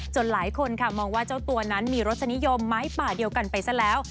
หลายคนค่ะมองว่าเจ้าตัวนั้นมีรสนิยมไม้ป่าเดียวกันไปซะแล้ว